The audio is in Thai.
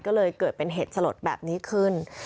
ก็เลยเกิดเป็นเหตุสลดแบบนี้ขึ้น